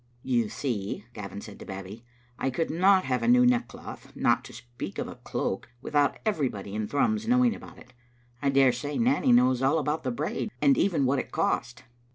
"You see," Gavin said to Babbie, "I could not have a new neckcloth, not to speak of a cloak, without every body in Thrums knowing about it. I dare say Nanny knows all about the braid, and even what it cost."